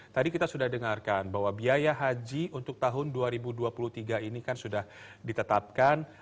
tadi kita sudah dengarkan bahwa biaya haji untuk tahun dua ribu dua puluh tiga ini kan sudah ditetapkan